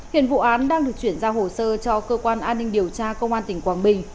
hiện vụ án đang được chuyển giao hồ sơ cho cơ quan an ninh điều tra công an tỉnh quảng bình